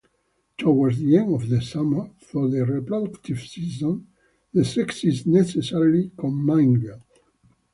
Towards the end of the summer, for the reproductive season, the sexes necessarily commingle.